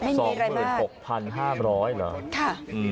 สองหมื่นหกพันห้าร้อยเหรอค่ะอืม